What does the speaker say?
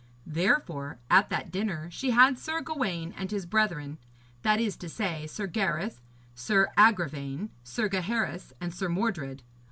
Therefore, at that dinner, she had Sir Gawaine and his brethren, that is to say, Sir Gareth, Sir Agravaine, Sir Gaheris and Sir Mordred.